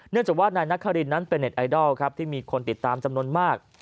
เนื่องจากว่านายนักฮารีนเป็นเน็ตไอดอลที่มีคนติดตามจำนวนมาก